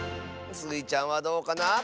スイちゃんはどうかな？